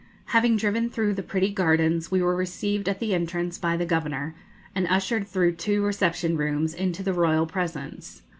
Having driven through the pretty gardens, we were received at the entrance by the Governor, and ushered through two reception rooms into the royal presence.